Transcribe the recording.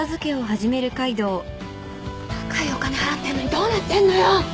高いお金払ってんのにどうなってんのよ！